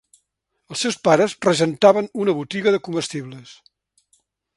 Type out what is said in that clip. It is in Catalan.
Els seus pares regentaven una botiga de comestibles.